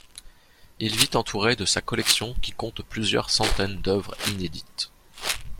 Il vit entouré de sa collection qui compte plusieurs centaines d’œuvres inédites.